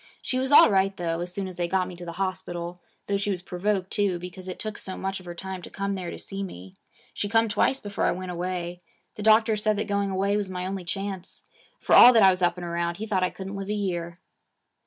She was all right though as soon as they got me to the hospital, though she was provoked too, because it took so much of her time to come there to see me. She come twice before I went away. The doctor said that going away was my only chance. For all that I was up and around, he thought I couldn't live a year.'